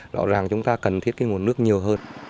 rõ ràng chúng ta cần thiết cái nguồn nước nhiều hơn